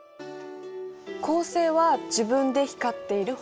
恒星は自分で光っている星。